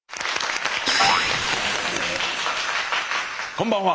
こんばんは。